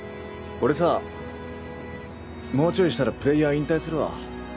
俺さもうちょいしたらプレーヤー引退するわ。